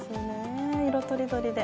色とりどりで。